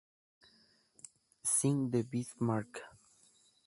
Sink the Bismarck!